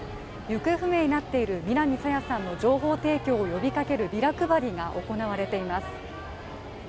行方不明になっている南朝芽さんの情報提供を呼びかけるビラ配りが行われています。